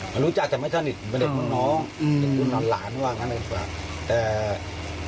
ก็รู้จักแต่ไม่ชนิดก็เด็กน้องน้องอยู่หลังหลานมากงั้นคือแบบนั้น